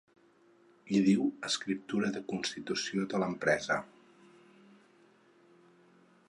Hi diu escriptura de constitució de l'empresa.